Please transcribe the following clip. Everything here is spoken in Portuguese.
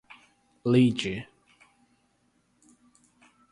lide